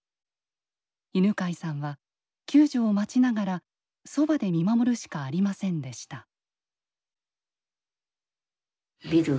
犬飼さんは救助を待ちながらそばで見守るしかありませんでした。